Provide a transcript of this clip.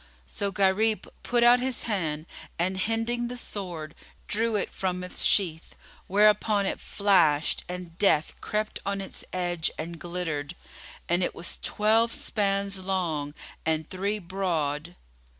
So Gharib put out his hand, and, hending the sword, drew it from its sheath; whereupon it flashed and Death crept on its edge and glittered; and it was twelve spans long and three broad.